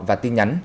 và tin nhắn